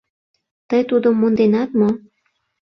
Тый тудым монденат мо?